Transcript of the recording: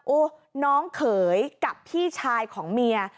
น้องเขยกับพี่ชายของเมีย